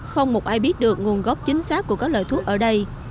không một ai biết được nguồn gốc chính xác của các loại thuốc ở đây